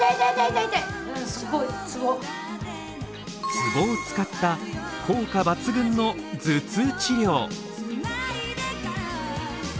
ツボを使った効果抜群の頭痛治療。